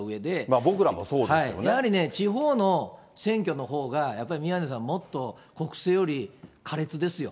やはりね、地方の選挙のほうが、やっぱり宮根さん、もっと国政より苛烈ですよ。